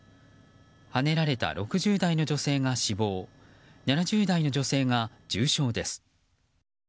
はねられた６０代の女性が死亡７０代の女性が重傷です。